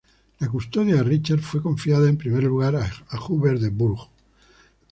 La custodia de Richard fue confiada en primer lugar a Hubert de Burgh.